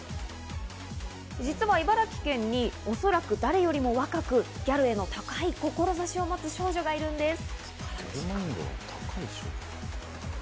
実は茨城県におそらく誰よりも若くギャルへの高いと志を持つ少女がいるんです。